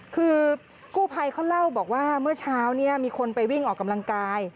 คือกู้ภัยเขาเล่าบอกว่าเมื่อเช้าเนี่ยมีคนไปวิ่งออกกำลังกาย